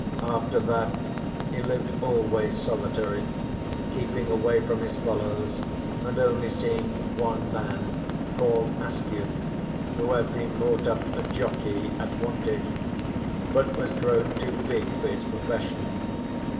After that he lived always solitary, keeping away from his fellows and only seeing one man, called Askew, who had been brought up a jockey at Wantage, but was grown too big for his profession.